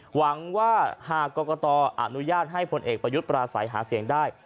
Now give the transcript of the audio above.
หวังว่าหากกตอนุญาตให้พลเอกประยุทธ์ปราศัยหาเสียงได้